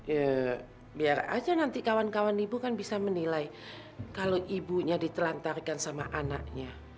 ya biar aja nanti kawan kawan ibu kan bisa menilai kalau ibunya ditelantarkan sama anaknya